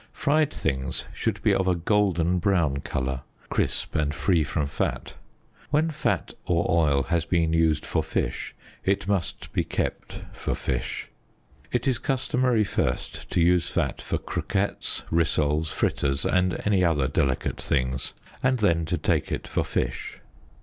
Fried things should be of a golden brown colour, crisp and free from fat. When fat or oil has been used for fish it must be kept for fish. It is customary first to use fat for croquets, rissoles, fritters and other delicate things, and then to take it for fish.